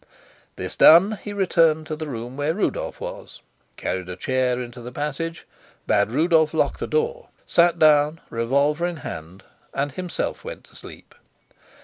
This done, he returned to the room where Rudolf was, carried a chair into the passage, bade Rudolf lock the door, sat down, revolver in hand, and himself went to sleep.